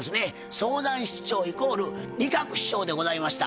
相談室長イコール仁鶴師匠でございました。